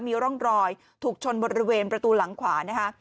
มีร่องรอยถูกชนบริเวณประตูหลังขวานะคะ